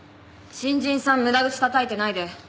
新人さん無駄口たたいてないで。